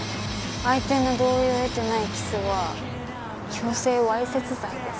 相手の同意を得てないキスは強制わいせつ罪です。